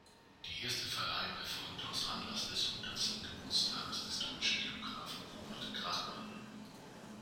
Die erste Verleihung erfolgte aus Anlass des hundertsten Geburtstages des deutschen Geographen Robert Gradmann.